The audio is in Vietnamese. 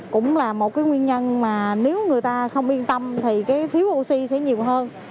cũng là một cái nguyên nhân mà nếu người ta không yên tâm thì cái thiếu oxy sẽ nhiều hơn